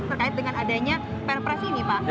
terkait dengan adanya perpres ini pak